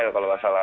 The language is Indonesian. kalau nggak salah